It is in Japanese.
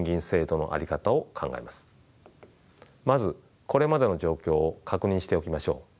まずこれまでの状況を確認しておきましょう。